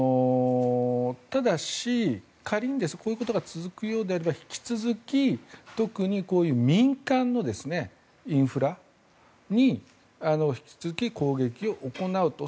ただし、仮にこういうことが続くようであれば引き続き特にこういう民間のインフラに引き続き攻撃を行うと。